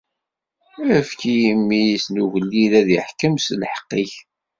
Efk i mmi-s n ugellid ad iḥkem s lḥeqq-ik!